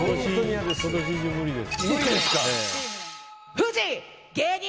今年中、無理です。